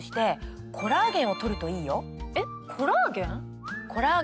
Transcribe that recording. えっコラーゲン？